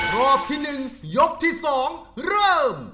รอบที่หนึ่งยกที่สองเริ่ม